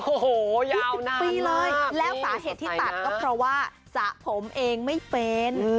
โอ้โหยาวนานปีเลยแล้วสาเหตุที่ตัดก็เพราะว่าสระผมเองไม่เป็น